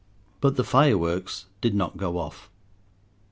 But the fireworks did not go off.